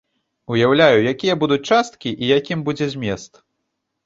Уяўляю, якія будуць часткі і якім будзе змест.